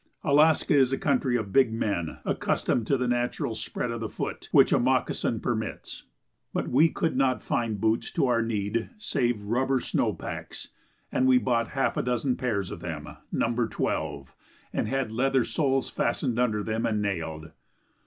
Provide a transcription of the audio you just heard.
Alaska is a country of big men accustomed to the natural spread of the foot which a moccasin permits, but we could not find boots to our need save rubber snow packs, and we bought half a dozen pairs of them (No. 12) and had leather soles fastened under them and nailed.